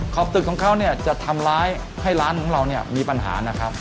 ขอบตึกของเขาจะทำร้ายให้ร้านของเรามีปัญหานะครับ